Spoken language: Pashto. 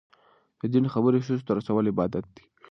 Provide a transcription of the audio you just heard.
د دین خبرې ښځو ته رسول عبادت دی.